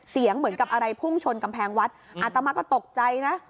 เสียงเหมือนกับอะไรพุ่งชนกำแพงวัดอาตมาก็ตกใจนะ